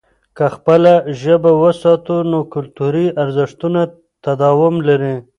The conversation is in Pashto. که خپله ژبه وساتو، نو کلتوري ارزښتونه تداوم لري.